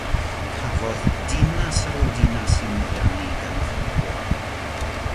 Cafodd dinas ar ôl dinas ei meddiannu gan y Ffrancwyr.